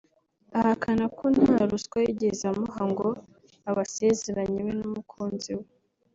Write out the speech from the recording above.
Ahakana ko nta ruswa yigeze amuha ngo abasezeranye we n’umukunzi we